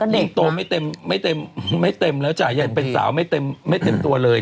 ยิ่งโตไม่เต็มแล้วจ่ายเป็นสาวไม่เต็มตัวเลย